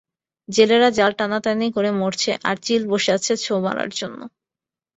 জেলেরা জাল টানাটানি করে মরছে, আর চিল বসে আছে ছোঁ মারবার জন্যে।